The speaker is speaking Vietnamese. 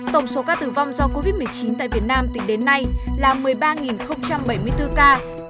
tổng số ca tử vong do covid một mươi chín tại việt nam tính đến nay là một mươi ba bảy mươi bốn ca